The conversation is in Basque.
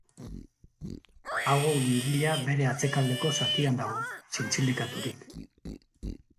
Aho-gingila bere atzealdeko zatian dago, zintzilikaturik.